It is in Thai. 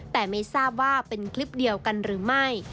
แต่ไม่ทราบว่าเป็นคลิปเดียวกันหรือไม่